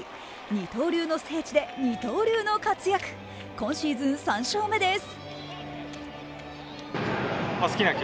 二刀流のステージで二刀流の活躍、今シーズン３勝目です。